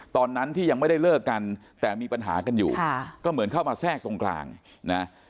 ตอนนั้นที่ยังไม่ได้เลิกกันแต่มีปัญหากันอยู่ก็เหมือนเข้ามาแทรกตรงกลางนะ